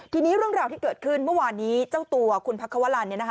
ทีนี้เรื่องราวที่เกิดขึ้นเมื่อวานนี้เจ้าตัวคุณพักควรรณ